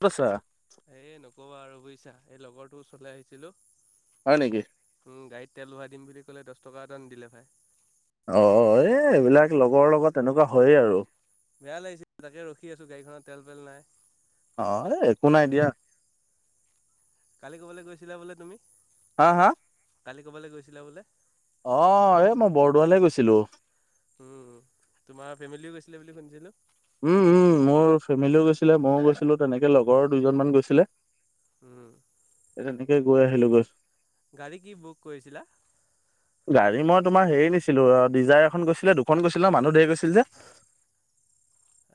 ক'ত আছা? এই নক'বা আৰু বুজিছা। এই লগৰটো ওচৰলে আহিছিলো। হয় নেকি। উম্, গাড়ীত তেল ভৰাই দিম বুলি ক'লে। দহ টকা এটা নিদিলে ভাই। অ', এই এইবিলাক লগৰ লগত তেনেকুৱা হয়য়েই আৰু। বেয়া লাগিছে, তাকে ৰখি আছো। গাড়ীখনত তেল চেল নাই। অ', এ একো নাই দিয়া। কালি ক'বালৈ গৈছিলা বোলে তুমি? হা হা। কালি ক'বালৈ গৈছিলা বোলে। অ', এ মই বৰদোৱালে গৈছিলো। উম্, তোমাৰ ফেমেলিও গৈছিলে বুলি শুনিছিলো। উম', উম', মোৰ ফেমেলিও গৈছিলে। ময়ো গৈছিলোঁ, তেনেকে লগৰৰ দুজন মান গৈছিলে। উম্। এ তেনেকে গৈ আহিলোঁ গৈ। গাড়ী কি বুক কৰিছিলা। গাড়ী মই তোমাৰ হেৰি নিছিলো। অ' ডিজাৰ এখন গৈছিলে, দুখন গৈছিলে ন। মানুহ ধেৰ গৈছিল যে।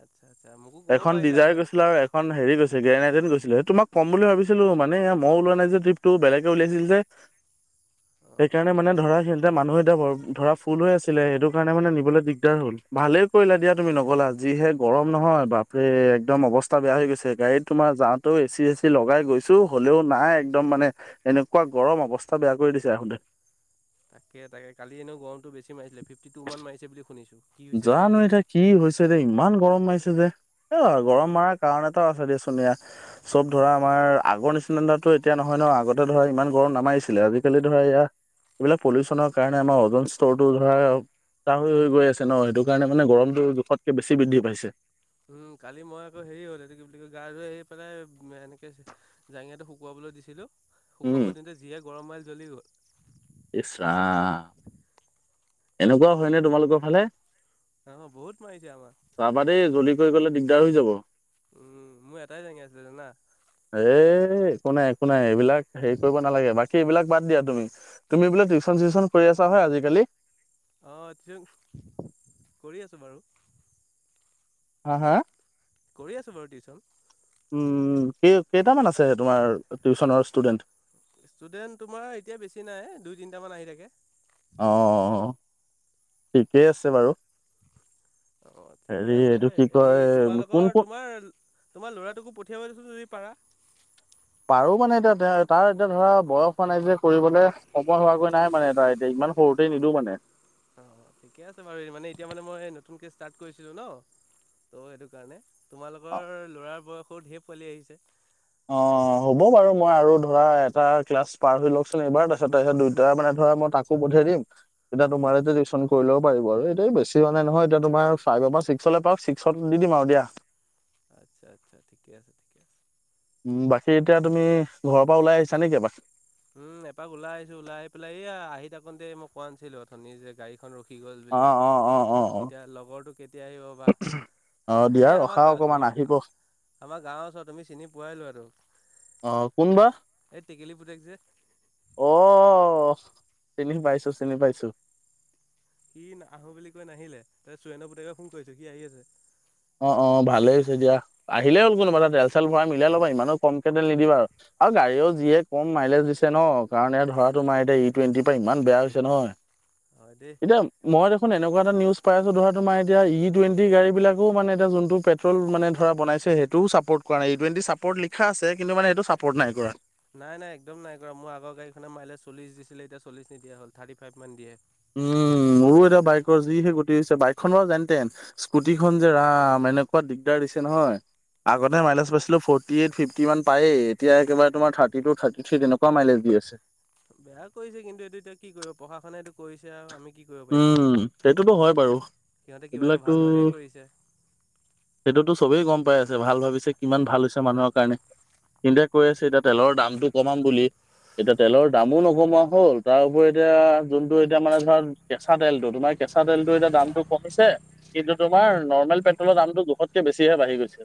আচ্ছা। আচ্ছা মোকো ক'ব এখন পাৰিলা ডিজাৰ হয় গৈছিল। আৰু এখন হেৰি গৈছিল গেৰেনা গৈছিলে, সেই তোমাক ক'ম বুলি ভাবিছিলোঁ। মানে মই ওলোৱা নাই যে ট্ৰিপটো, বেলেগে উলিয়াইছিলে যে। অঁ সেইকাৰণে মানে ঠিকে ধৰা, আছে সিহঁতে মানুহ এতিয়া বৰ ধৰা ফুল হৈ আছিলে, সেইটো কাৰণে মানে নিবলৈ দিগদাৰ হ'ল। ভালেই কৰিলা দিয়া তুমি নগ'লা, যিহে গৰম নহয়। বাপৰে, একদম অৱস্থা বেয়া হৈ গৈছে। গাড়ীত তোমাৰ যাওঁতেও এ চি চেচি লগাই গৈছো, হ'লেও নাই। একদম মানে, এনেকুৱা গৰম। অৱস্থা বেয়া কৰি দিছে আহোতে। তাকে তাকে, কালি এনেও গৰমটো বেছি মাৰিছিলে। ফিফটি টু মান মাৰিছে বুলি শুনিছোঁ। কি হৈছে বা জানো এতিয়া। কি হৈছে এতিয়া ইমান গৰম মাৰিছে যে এ উম। গৰম মৰাৰ কাৰণেতো আছে চব ধৰা আমাৰ আগৰ চেণ্ডাৰো এতিয়া নহয় ন আগতে ধৰা ইমান গৰম নামাৰিছিলে। আজিকালি ধৰা এযথয়া এইবিলাক পলিউচনৰ কাৰণে আমাৰ ওজন স্তৰটো ধৰা। পাহ হৈ গৈ আছে ন সেইটো কাৰণে মানে গৰমটো জোখতকে বেছি বৃদ্ধি পাইছে। উম কালি মই আকৌ হেৰি হ'ল এইটো কি বুলি কয় গা ধ আহৰি পেলাই এনেকে জাঙাটো শুকুৱাবলৈ দিছিলো। উম, শুকুৱাবৰ দিনতে যিয়ে গৰম মাৰ জ্বলি গ'ল। ইছ ৰাম। এনেকুৱা হয় ন তোমালোকৰ ফালে। অ', বহুত মায়ছে আমাৰ। চাবা দেই জ্বলি কৰি গলে দিগদাৰ হৈ যাব। উম', মোৰ এটাই জাঙিয়া আছে জানা এ একো নাই একো নাই এইবিলাক হেৰি কৰিব নালাগে বাকী এইবিলাক বাদ দিয়া তুমি তুমি বোলে টিউচন চিউচন কৰি আছা হয়। আজিকালি। অ' টিউচন কৰি আছোঁ বাৰু। হা হা। কৰি আছো বাৰু টিউচন। উম কেই কেইটামান আছে তোমাৰ টিউচনৰ ষ্টুডেণ্ট। ষ্টুডেন্ট তোমাৰ এতিয়া বেছি নাই দুই তিনটা মান আহি থাকে। অ', ঠিকেই আছে বাৰু। অ', ঠিকে হেৰি আছে এইটো কি হেৰি কয় কোন তোমালোকৰ কোন তোমাৰ তোমাৰ লৰাটোকো পঠিয়াবা চোন যদি পাৰা। পাৰো মানে এতিয়া তাৰ এতিয়া ধৰা বয়স হোৱা নাই যে কৰিবলৈ সময় হোৱাকৈ নাই মানে এাৰ এতিয়া। ইমান সৰুতে নিদো মানে অ ঠিকে আছে বাৰু মানে এতিয়া মানে মই নতুনকে ষ্টাৰ্ট কৰিছিলো ন ত' সেইটো কাৰণে তোমালোকৰ ল'ৰাৰ বয়সো ঢেৰ পোৱালি আহিছে অ হ'ব বাৰু মই আৰু ধৰা এটা ক্লাছ পাৰ হৈ লওকচোন এইবাৰ তাৰপিছত তাৰপিছত দুইটা মানে মই তাকো পঠিয়াই দিম তেতিয়া উম, তোমাৰ টিউচন কৰি ল পাৰিব আৰু এটাই বেছি মানে নহয় এতিয়া তোমাৰ ফাইভৰ ছিক্সলে প ছিক্সত দিম আৰু দিয়া আচ্ছা আচ্ছা ঠিকে আছে ঠিকে আছে উম বাকী এতিয়া তুমি ঘৰৰ পৰা ওলাই আহিছা নেকি উম এপাক ওলাই আহিছো ওলাই আহি পেলাই এয়া আহি থাকোতে মই কোৱা নাছিলো অথনি যে গাড়ী খন ৰখি গ'ল অ বুলি অ অ অ অ এতিয়া লগৰটো কেতিয়া আহিব বা অ দিয়া এই আমাৰ ৰখা অকমান ঘৰ আহিব অ আমাৰ গাঁৱৰ ওচৰত তুমি চিনি পোৱাই লৰাটোক অ কোনবা এই টেকেলী পুতেক যে অ অ চিনি পাইছো চিনি পাইছো সি আহো বুলি কৈ নাহিলে তই চোৰেণৰ পুতেকে ফোন কৰিছে সি আহি আছে অ অ ভালেই হৈছে দিয়া আহিলেই হ'ল কোনোবা এ তেল চেল ভৰাই মিলাই ল'বা ইমানো কমকে তেল নিদিবা আৰু আৰু গাড়ীও যিয়ে কম মাইলেজ দিছে ন কাৰণ এ ধৰাটো আমাৰ এতিয়া ই টুৱেণ্টিৰ পৰা ইমান বেয়া হৈছে নহয় হয় দেই এতিয়া মই দেখোন এনেকুৱা এটা নিউজ পাই আছো ধৰা তোমাৰ এতিয়া ই টুৱেণ্টি গাড়ী বিলাক মানে এতিয়া যোনটো পেট্ৰল মানে ধৰা বনাইছে সেইটোও চাপৰ্ট কৰা নাই ই টুৱেন্টি চাপৰ্ট লিখা আছে কিন্তু মানে সেইটো চাপৰ্ট নাই কৰা নাই নাই একদম নাই কৰা মোৰ আগৰ গাড়ীখনে মাইলেজ চল্লিছ দিছিলে এতিয়া চল্লিছ নিদিয়া হল থাৰ্টি ফাইভমান দিয়ে উম মোৰো এটা বাইকৰ যি সেই গতি হৈছে বাইক খনৰ বু যেনতেন স্কুটি খন যে ৰাম এনেকুৱা দিগদাৰ দিছে নহয় উম, আগতে এইটো মাইলেজ পাইছিলো ফৰটি এইট ফিফটি ওৱান পায়ে এতিয়া তোমাৰ থাৰ্টি টু থাৰ্টি সেইদিনাৰ পৰা মাইলেজ দি আছে বেয়া কৰিছে কিন্তু এইটো এতিয়া কি কৰিব প্ৰশাসনে এইটো কৰিছে আৰু আমি কি কৰিব পাৰিমনো উম সেইটোতো হয় বাৰু সিহঁতে কিবা এটা এইবিলাকতো ভাল ভাবিয়ে কৰিছে। সেইটোতো চবেই গম পাই আছে ভাল ভাবিছে কিমান ভাল হৈছে মানুহৰ কাৰণে ইণ্ডিয়াই কৈ আছে এতিয়া তেলৰ দামটো কমাম বুলি। এতিয়া তেলৰ দামো নোকমোৱা হ'ল। তাৰ উপৰি এতিয়া যোনটো এতিয়া মানে ধৰা। কেঁচা তেলটো তোমাৰ কেঁচা তেলটো এতিয়া দামটো কমিছে। কিন্তু তোমাৰ নৰ্মেল পেট্ৰলৰ দামটো জোখতকে বেছি হে বাঢ়ি গৈছে।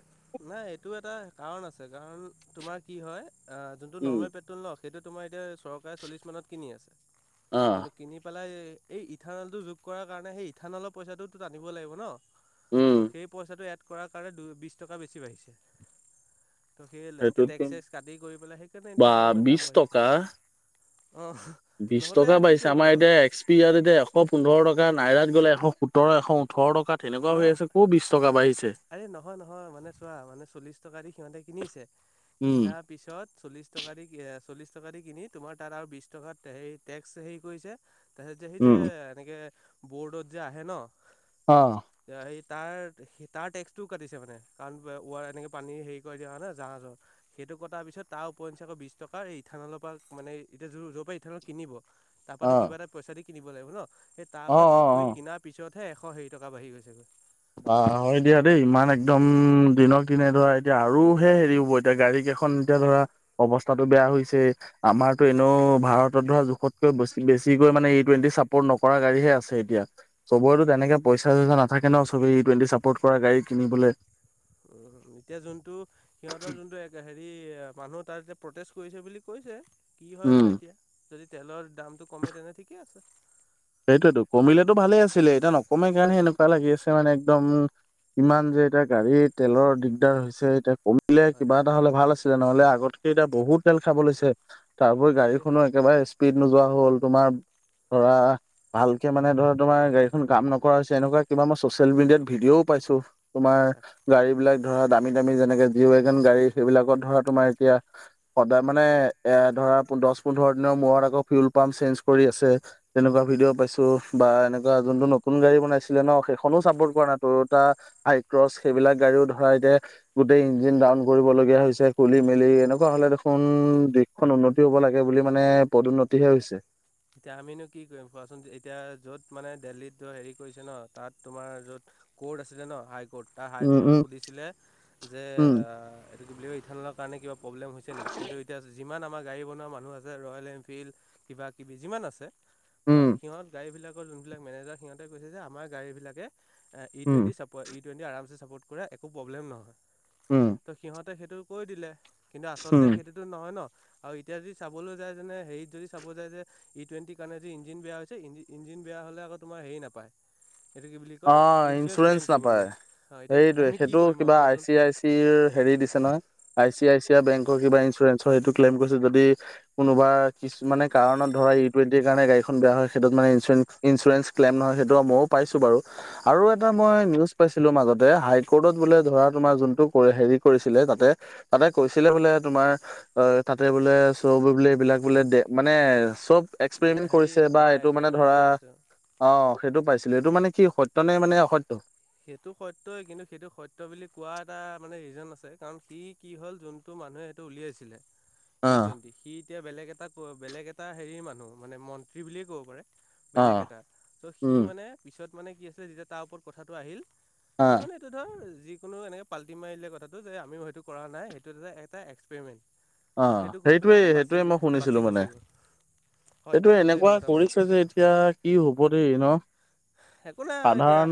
নাই এইটো এটা কাৰণ আছে, কাৰণ তোমাৰ কি হয় আহ যোনটো উম। নৰ্মেল পেট্ৰল নও সেইটোত তোমাৰ এতিয়া চৰকাৰে চল্লিছ মানত কিনি আছে, অ', কিন্তু কিনি পেলাই এই ইথানলটো যোগ কৰাৰ কাৰণে সেই ইথানলৰ পইচাটো টানিব লাগিব ন উম, টো সেই পইচাটো এড কৰাৰ কাৰণে বিশ টকা বেছি বাঢ়িছে। ত' সেই এতিয়া সেইটোত টেক্স চেক্স কাটি কৰি পেলাই সেইকাৰণে বা এতিয়া আমাৰ ইমান বিশ দাম বাঢ়িছে। টকা অঁ বিশ নহ'লে টকা আৰু কি বাঢ়িছে, কৰিব আমাৰ আৰু এতিয়া এক্স পি ইয়াত এতিয়া এশ পোন্ধৰ টকা নাইৰাত গ'লে এশ সোতৰ এশ ওঠৰ টকা তেনেকুৱা হৈ নহ আছে কো বিশ টকা। বাঢ়িছে। আৰে নহয় নহয় মানে চোৱা মানে চল্লিশ টকা দি সিহঁতে কিনিছে উম, কিনাৰ পিছত চল্লিশ টকা দি চল্লিছ টকা দি কিনি তোমাৰ তাত আৰু বিশ টকাত হেৰি টেক্স হেৰি কৰিছে তাৰপিছত যে সি যে উম, এনেকে বৰ্ডত যে আহে ন অ', তেতিয়া সি তাৰ তাৰ টেক্সটোও কাটিছে মানে কাৰণ ৱাৰ এনেকৈ পানী হেৰি কৰা দিয়া হয় ন জাহাজৰ সেই। এইটো কটাৰ পিছত তাৰ উপৰঞ্চী আকৌ বিশ টকা এই ইথানলৰ পৰা মানে এতিয়া যৰ পৰা ইথানলত কিনিব। তাৰপাতো কিবা অ', এটা পইচা দি কিনিব লাগিব ন সেই তাৰ অ', পৰা যোগ অ', কৰি অ'। কিনাৰ পিছতহে এশ হেৰি টকা বাঢ়ি গৈছেগৈ। অ' হয় দিয়া দেই ইমান একদম দিনক দিনে ধৰা এতিয়া আৰু হে হেৰি হ'ব এতিয়া গাড়ী। খন এতিয়া ধৰা অৱস্থাতটো বেয়া হৈছে, আমাৰতো এনেও ভাৰতত ধৰা জোখতকৈ বস্তু বেছিকৈ মানে, ই টুৱেন্টি চাপৰ্ট নকৰা গাড়ীহে আছে এতিয়া। চবৰেতো তেনেকে পইচা চইচা নাথাকে ন'। তুমি ই টুৱেন্টি চাপৰ্ট কৰা গাড়ী কিনিবলৈ উম, এতিয়া যোনটো সিহঁতৰ যোনটো, হেৰি মানুহ তাত প্ৰটেষ্ট কৰিছে বুলি কৈছে। কি হয় উম বা এতিয়া। যদি তেলৰ দামটো কমে তেনে ঠিকে আছে। সেইটোৱেইটো। কমিলেতো ভালে আছিলে। এতিয়া নকমে কাৰণেহে, এনেকুৱা লাগি আছে মানে। একদম কিমান যে, এতিয়া গাড়ী তেলৰ দিগদাৰ হৈছে। এতিয়া কমি কিলে হয়, কিবা এটা হ'লে ভাল আছিলে। নহ'লে আগতকে এতিয়া বহুত তেল খাব লৈছে। তাৰপৰি হয় দেই গাড়ীখনো একেবাৰে স্পীড নোযোৱা হ'ল। তোমাৰ ধৰা ভালকে মানে ধৰ, তোমাৰ গাড়ীখন কাম নকৰা হৈছে। এনেকুৱা কিবা মই চচিয়েল মেডিয়াত ভিডিঅ'ও পাইছো। তোমাৰ তাক গাড়ী বিলাক ধৰা দামী দামী যেনেকে জি ৱেগন গাড়ী। সেইবিলাকত ধৰা তোমাৰ এতিয়া সদায় মানে এ' ধ ধৰা দচ পোন্ধৰ দিনৰ মূৰত আকৌ ফিউল পাম্প চেঞ্জ কৰি আছে। তেনেকুৱা ভিডিঅ' পাইছো। বা এনেকুৱা যোনটো নতুন গাড়ী বনাইছিলে ন'। সেইখনো চাপৰ্ট কৰা নাই। তোৰ তাৰ আই ক্ৰচ, সেইবিলাক গাড়ীও ধৰা, এতিয়া গোটেই ইঞ্জিন ডাউন কৰিবলগীয়া হৈছে। খুলি মেলি এনেকুৱা হ'লে দেখোন কোন দেশখন উন্নতি হ'ব লাগে বুলি মানে পদোন্নতিহে হৈছে। এতিয়া আমিনো কি কৰিম কোৱাচোন। এতিয়া য'ত মানে দেল্লীত হেৰি কৰিছে ন', তাত তোমাৰ য'ত বৰ্ড আছে জান ন। High court. তাৰ হাই উম ক'ৰ্টত উম সুধিছিলে যে, এইটো কি বুলি কই, ইথান'লৰ কাৰণে কিবা প্ৰব্লেম হৈছে নেকি? কিন্তু এতিয়া যিমান আমাৰ গাড়ী বনোৱা মানুহ আছে, ৰয়েল এনফিল্ড কিবা কিবি যিমান আছে। ধৰ, উম সিহঁত গাড়ীবিলাকৰ যোনবিলাক মেনেজাৰ সিহঁতে কৈছে যে, আমাৰ গাড়ীবিলাকে এ', ই উম উম টুৱেণ্টি চাপৰ্ট, ই টুৱেণ্টি আৰামছে চাপৰ্ট কৰে একো প্ৰব্লেম নহয়। উম ত', সিহঁত ত, সেইটো কৈ দিলে। কিন্তু আচলতে উম সেইটোতো নহয় ন। আৰু এতিয়া যদি চাবলৈ যায়, যেনে হেৰিত যদি চাব যায় যে ই টুৱেণ্টিৰ কাৰণে যে ইঞ্জিন বেয়া হৈছে। ইঞ্জিন বেয়া হ'লে, আকৌ তোমাৰ হেৰি নাপায়। এইটো কি বুলি কয় অ' ইঞ্চুৰেঞ্চ ক্লেইম কৰিব নাপায়। নোৱাৰে অঁ এতিয়া সেইটোৱেই। আমি কি সেইটো কৰিম আৰু কিবা আই কোৱাচোন চি আই চি হেৰি দিছে নহয়। আই চি আই চি এতিয়া বেংকৰ কিবা ইঞ্চুৰেঞ্চৰ সেইটো ক্লেইম কৰিছে যদি, কোনোবা কিছুমানে কাৰণত ধৰ, ই টুৱেন্টি কাৰণে গাড়ীখন বেয়া হয়, সেইটো মানে ইঞ্চুঞ্চে ইঞ্চুৰেঞ্চ ক্লেম নহয়। সেইটো ময়ো পাইছো বাৰু। আৰু এটা মই নিউজ পাইছিলো মাজতে, হাই কৰ্টত বোলে ধৰা, তোমাৰ যোনটো হেৰি কৰিছিলে। তাতে, তাতে কৈছিলে বোলে তোমাৰ, অ, তাতে বোলে চব বোলে, এইবিলাক বোলে দে মানে চব এক্সপেৰিমেন হেৰি কৰিছে। বা অঁ এইটো মানে এক্সপেৰিমেণ্ট ধৰা, কৰি আছে অঁ। অ, সেইটো পাইছিলো। এইটো মানে সি সত্য নে মানে অসত্য। সেইটো সত্যই। কিন্তু সেইটো সত্য বুলি কোৱা এটা মানে ৰিজন আছে। কাৰণ সি কি হ'ল যোনটো মানুহে এইটো উলিয়াইছিলে। অ ই টুৱেণ্টি। সি এতিয়া বেলেগ এটা ক' বেলেগ এটা হেৰি মানুহ। মানে মন্ত্ৰী বুলিয়ে ক'ব পাৰে। অ বেলেগ এটা। ত', সি উম মানে, পিছত মানে, কি আছিলে, যেতিয়া তাৰ ওপৰত কথাটো আহিল। সি অ', মানে এইটো ধৰ যিকোনো এনেকে পাল্টি মাৰিলে কথাটো যে, আমি সেইটো কৰা নাই। সেইটো এটা এক্সপেৰিমেণ্ট। অ, ত' সেইটো কৰি পেলাই সেইটোৱেই। মানে বাচি সেইটোৱেই মই বাচি শুনিছিলো মানে। গুচি গ'ল সত্য এইটো সত্য এনেকুৱা কথা বাৰু কৰিছে যে, এতিয়া কি হ'ব দেই ন'। একো নাই এতিয়া। সাধাৰণ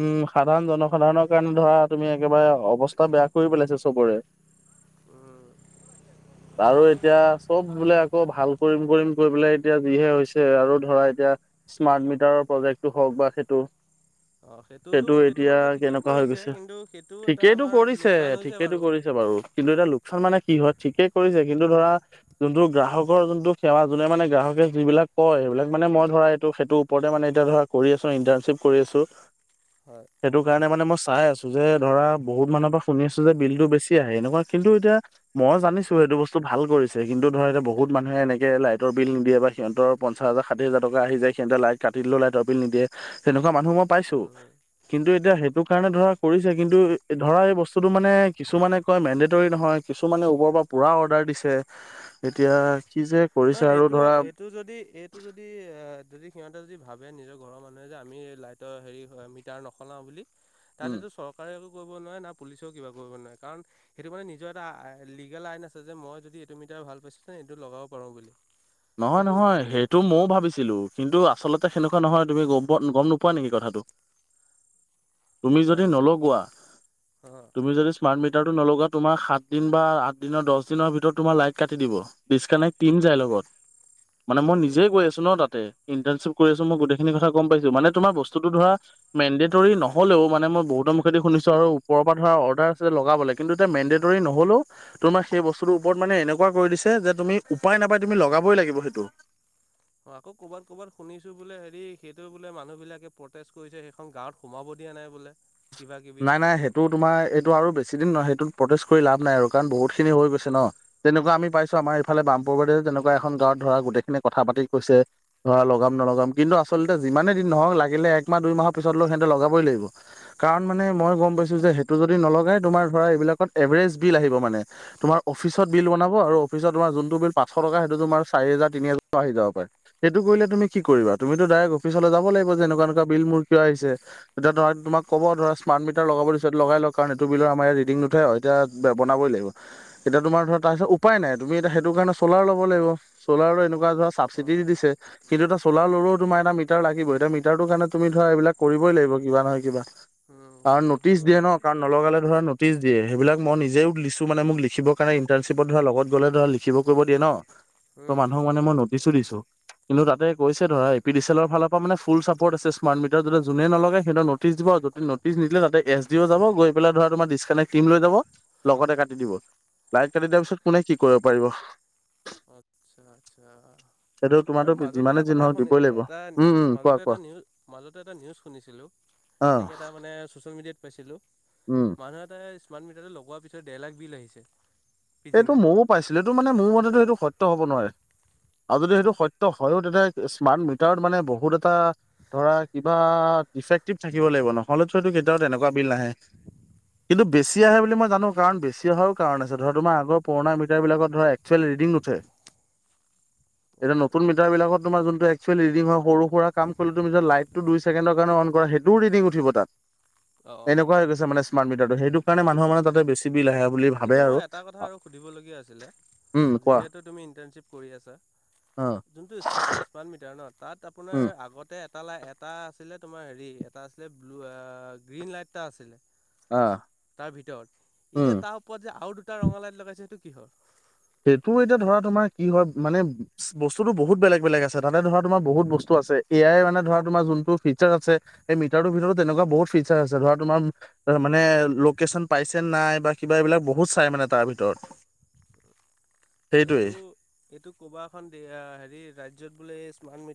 উম, সাধাৰণ জনসাধাৰণৰ কাৰণে ধৰা তুমি একেবাৰে অৱস্থা বেয়া কৰি পেলাইছে চবৰে। উম। আৰু এতিয়া চব বোলে, আকৌ ভাল কৰিম কৰিম কৰি পেলাই এতিয়া যিহে হৈছে। আৰু ধৰা এতিয়া স্মাৰ্ট মিটাৰৰ প্ৰজেক্টটো হওঁক বা সেইটো অ, সেইটোতো সেইটো এতিয়া বাৰু ঠিকেই কেনেকুৱা হৈ কৰিছে। গৈছে। কিন্তু সেইটোও এটা ঠিকেইটো আমাৰ কৰিছে লোকচান হৈছে ঠিকেইটো বাৰু। কৰিছে কিন্তু এটা লোকচান মানে কি হয় ঠিকে কৰিছে। কিন্তু ধৰা যোনটো গ্ৰাহকৰ যোনটো সেৱা, যোনে মানে গ্ৰাহকে যিবিলাক কয় সেইবিলাক মানে, মই ধৰা এইটো, সেইটোৰ ওপৰতে মানে এতিয়া ধৰা কৰি আছো। ইণ্টাৰনচিপ কৰি আছো। হয় সেইটো কাৰণে মানে মই চাই আছো। যে ধৰা বহুত মানুহৰ পৰা শুনি আছো যে বিলতটো বেছি আহে এনেকুৱা কিন্তু এতিয়া মই জানিছো, সেইটো বস্তু ভাল কৰিছে। কিন্তু ধৰা এতিয়া বহুত মানুহে এনেকে লাইটৰ বিল নিদিয়ে বা সিহঁতৰ পঞ্চায়ত ষাঠ হাজাৰ টকা আহ যায়। সিহঁতে লাইট কাটিলো লাইটৰ বিল নিদিয়ে সনেকুৱা মানুহ মই পাইছো। উম কিন্তু এতিয়া সেইটো কাৰণে ধৰা কৰিছে, কিন্তু ধৰা এই বস্তুটো মানে কিছুমানে কয় মেণ্ডেটৰী নহয় কি টো, মানে বৰৰ পৰা পূৰা অৰ্ডাৰ দিছে এতিয়া কি যে কৰিছে নাই আৰু এইটো, ধৰা এইটো যদি এইটো যদি, যদি সিহঁতে যদি ভাবে নিজৰ ঘৰৰ মানুহে যে আমি লাইটৰ হেৰি মিটাৰ নসলাওঁ বুলি তাত উম এইটো চৰকাৰে নোৱাৰে না, পুলিচও কিবা কৰিব নোৱাৰে কাৰণ সেইটো মানে নিজৰ এটা লিগ আইন আছে যে মই য, এইটো ম ভাল পাইছিল ন, এইটো লগাব। পাৰোঁ বুলি নহয়, সেইটো নহয়, সেইটো ময়ও ভাবিছিলো। কিন্তু আচলতে সেনেকুৱা নহয় তুমি গ, গম নোপোৱা নেকি কথাটো। তুমি হয় যদি নেকি নলোৱা অঁ তুমি যদি স্মাৰ্ট মিট নলগা তোমাৰ সাত দিন বা আঠ দিনৰ, দহ দিনৰ ভিতৰত তোমাৰ লাইট কাটি দিব ডিচকানেক্ট ম, যায় লগত। মানে মই নিজে অঁ গৈ আছো ন, তাতে। ইণ্টাৰশিপ কৰি আছো। মই গোেইখিনি কথা কম পাইছো মানে তোম ব্ততটো ধৰা মেণ্ডেটৰৰি নহলেও মান মই বহুত মুেদি শুনিছো আৰু ওৰ পৰা ধৰা অৰ্ডাৰ আছে, লগাবলৈ কিন্তু এ, মেডেৰিী নহ'লেও তোমাৰ সেইতু মানে এনেকুৱা কৰি দিছে যে তুমি উপায় নাপাই তুমি লগাবই লাগিব সেইটো। অ, ক'বাত, ক'বাত শুনিছো বোলে হেৰি সেইটো বোলে মানুহ বিলাকে প্ৰটেষ্ট কৰিছে সেইখন গাঁৱত সোমাব। দিয়া নাই বোলে। কিবা কিবি নাই, নাই সেইটো তোমাৰ এইটো আৰু বেছি দিন নহয়। প্ৰেষ্ট কৰি লাভ নাই আৰু কাৰণ বহুত খিনি হৈ গৈছে ন, তেনেকুৱা আমি পাইছো আমাৰফালে বামপুৰৰবাৰীৰে যেনেকুৱা এখন গাঁৱত ধৰা গোটেই খিনি কথা পাতি কৈছে ধৰা লগাম নলগাম কিন্তু আচলতে যিমানে দিন নহওক লাগিলে একমাহ দুই মাহৰ পিছত লও, সিহতে লগাবই, লাগিব কাৰণ মই গম পাইছোঁ যে মানে সেইটো যদি নলগায় তোমাৰ ধৰা এইবিলাকত এভাৰেজ বিল আহিব মানে তোমাৰ অফিচ বিল, বাব আৰু অফিত তমাৰ যোনটো বি পাঁচশ টকা সেইটো তোমাৰ চাৰ হাজাৰ, তিনি হাজাৰ আহি যাব পাৰে, সেইটো কৰিলে তুমি তুম কি কৰিবা তুমিয়ো ডাইৰেক্ অফিচলৈ যাব লাগ যেনেকুৱা এনেুৱা বি মোৰ কিয় আহ হৈছে, তেতিয়া ধৰা তোমাক ক'ব ধৰা স্মাৰ্ট মিটাৰ লগাব দি লগাই, লও কাৰণ এইটো বিলৰ আমাৰ ই, ৰিডিং নুঠে, এয়া বাবই লাগিব এতিয়া তোমাৰ ধৰা তাৰপিছত উপায় নাই তুমি এ সেইটো কাৰণে চলাৰ ল'ব লাগিব চলাৰৰ এনেকুৱা ধৰা চাবচিডি দি অঁ দিছে কিন্তু চোলা ললেও তোমাৰ এটা মিটাৰ লাগিব এতিয়া মিটাৰটোৰ কাৰণে তুমি ধৰা এইবিলাক কৰিবই লাগিবা নহয়িবা কাৰ সেইটো হয় নটিচ দিয়ে বাৰু ন কাৰণ নলগালে ধৰা নটি দিয়ে সেইবিলাক মই নিজও লিছো মান মোক লিখিব কাৰণেণ্টাৰশ্বপত ধ লগত গ'লে ধ লিখিব কৰিব দিয়ে ন ত উম, মানুহক মানে মই নটিচো দিছো কিন্তু তাতেৈছে ধৰা আচ্ছা এ পি ডিচ এলৰ ফালৰ পৰা মানে ফুল চাপৰ্টছে স্ম্ট মিটাৰ যদি যোনে নলগে সহত নটি দিব পিছ নিদিলে তাতে এছ ডি অ যাব গৈ পেলাই ধৰা তোমাৰ ডিচকানেক্ট ক্ৰীম লৈ যাব লগতে কাটি দিব লাইট কাটি দিয়াৰ পিছত পোনে কি কৰিব পাৰিব আচ্ছা আচ্ছা সেইটো আৰু তোমাৰতো মাজতে যিমানে এটা যি কথা নহওক শুনি দিবই লাগিব। এটা উম, উম, কোৱা মাজতে কোৱা এটা নিউজ মাজতে এটা নিউজ শুনিছিলোঁ অ', এনেকে এটা মানে ছ'চিয়েল মিডিয়াত পাইছিলোঁ উম, মানুহ এটা স্মাৰ্ট মিটাৰটো লগোৱাৰ পিছত ডেৰ লাখ বিল আহিছে এইটো পিছদিনাই ময়ো পাইছিলোটো মানে মোৰ মতেতো সেইটো সত্য হব নোৱাৰে আৰু যদি সেইটো সত্ হয়ও তেতিয়া স্মাৰ্ট মিটাৰত মানে বহুত এটা ধৰা কিবা ফেক্টিভ থাকিব লাগিব নহ'লেততটো কেতিয়াও এনেকুৱা বিল নাহে কিন্তু বেছি আহে বুলি মই জানো কাৰণ বেছি অহাও কাৰণ আছে ধৰ মাহ আগৰ পুৰণা মিটাৰবিলাকত ধৰা একচুৱেল ৰিডিং উঠে এতিয়া নতুন মিাৰ বিলাকত তোমাৰোনটো একুৱেল ৰিডং হয় সৰু সুৰা কাম কৰিলে তি লাইটটো দুই ছেকণ্ডৰ কাৰণে অন কৰা হয় সেইটো ৰিিনিং উঠিব তাত অঁ এনেকুৱা হৈ গৈ মানে স্মাৰ্ট মটাৰটো সেইটো কাৰণ কিন মানহ মানে তাতে বছ বিিল আহে বুলি ভাব কিন্তু মই এটা কথা আৰু সুধিবলগীয়া আছিলে উম কোৱা যিহেতু তুমি ইণ্টাৰ্ণশ্বিপ কৰি আছা অ যোনটো ই মিটাৰ ন তাত আপোনাৰ উম আগতে এটা ল এটা আছিলে তোমাৰ হেৰি এটা আছিলে ব্লু অ গ্ৰীণ লাইট এটা আছিলে আহ তাৰ ভিতৰত উম এতিয়া তাৰ ওপৰত যে আৰু দুটা ৰঙালাইট লগাইছে সেইটো কিহৰ সেইটো এতিয়া ধৰা তোমাৰ কি হয় মানে বস্তুতটো বহুত বেলেগ বেলেগ আছে তাতে ধৰা তোমাৰ বহুত বস্তু এ আই মানে ধৰা তোমাৰ যোনটো ফিচাৰ আছে এই মিটাৰটোৰ ভিতৰতো তেনেকুৱা বহুত ফিচাৰ আছে ধৰা তোমাৰ মানে লোকেশ্যন পাইছেনে নাই বা কিবা এইবিলাক বহুত চাই মানে তাৰ ভিতৰত এইটো সেইটোৱেই এইটো ক'বা এখন হেৰি ৰাজ্য়ত বোলে এই স্মাৰ্ট ম